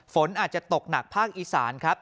ฝนอาจจะตกหนักภาคอีสานครับ